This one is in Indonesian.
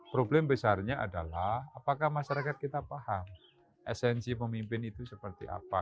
problem besarnya adalah apakah masyarakat kita paham esensi pemimpin itu seperti apa